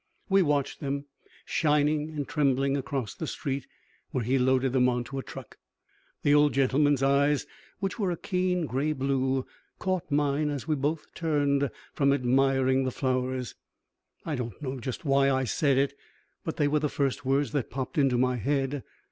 We watched them shining and trembling across the street, where he loaded them onto a truck. The old gentleman's eyes, which were a keen gray blue, caught mine as we both turned from admiring the flowers. I don't know just why I said it, but they were the first words that popped into my head.